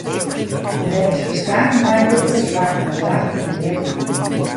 Neffens ferskate meiwurkers waard mei klachten neat dien.